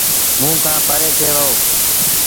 موݩ کآݩ پري ٿئي وهو۔